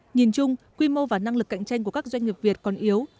nhìn chung quy mô và năng lực cạnh tranh của các doanh nghiệp việt còn yếu